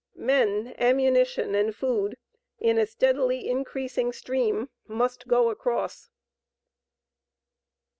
Men, ammunition and food, in a steadily increasing stream, must go across.